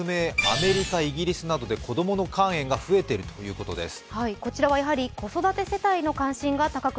アメリカ、イギリスなどで子供の肝炎が増えているということです。